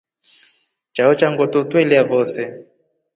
Chao cha ngʼoto twelya vozee.